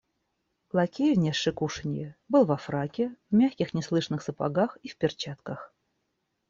Лакей, внесший кушанье, был во фраке, в мягких неслышных сапогах и в перчатках.